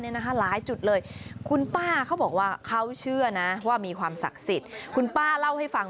หลายจุดเลยคุณป้าเขาบอกว่าเขาเชื่อนะว่ามีความศักดิ์สิทธิ์คุณป้าเล่าให้ฟัง